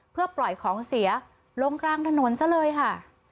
เพื่อปล่อยของเสียลงกลางถนนซะเลยค่ะ